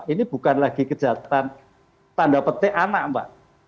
ini bukan lagi kejahatan tanda petik anak mbak